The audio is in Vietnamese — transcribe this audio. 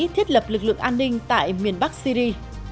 thiết lập lực lượng an ninh tại miền bắc syri